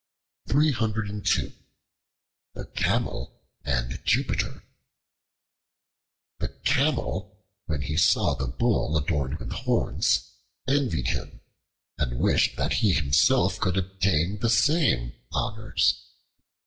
The Camel and Jupiter THE CAMEL, when he saw the Bull adorned with horns, envied him and wished that he himself could obtain the same honors.